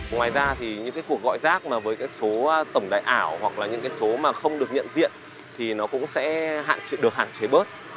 ngoài ra thì những cuộc gọi giác với số tổng đại ảo hoặc là những số mà không được nhận diện thì nó cũng sẽ được hạn chế bớt